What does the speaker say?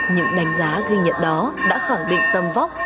những đánh giá ghi nhận đó đã khẳng định tâm vóc